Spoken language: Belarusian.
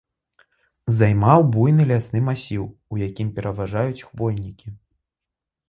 Займаў буйны лясны масіў, у якім пераважаюць хвойнікі.